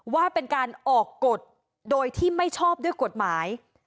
ว่าเป็นการออกกฎโดยที่ไม่ชอบด้วยกฎหมาย